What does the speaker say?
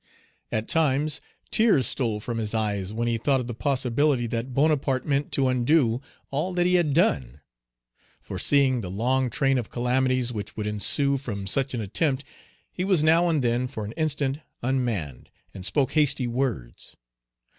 At times, tears stole from his eyes when he thought of the possibility that Bonaparte meant to undo all that he had done; foreseeing the long train of calamities which would ensue from such an attempt, he was now and then for an instant unmanned, and spoke hasty words.